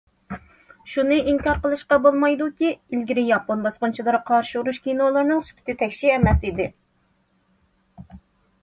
شۇنى ئىنكار قىلىشقا بولمايدۇكى، ئىلگىرى ياپون باسقۇنچىلىرىغا قارشى ئۇرۇش كىنولىرىنىڭ سۈپىتى تەكشى ئەمەس ئىدى.